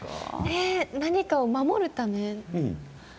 何かを守るため？